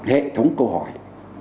hệ thống câu hỏi